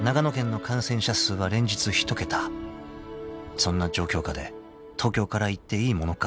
［そんな状況下で東京から行っていいものか］